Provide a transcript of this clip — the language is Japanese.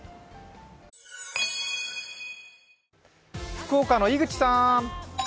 福岡の井口さん！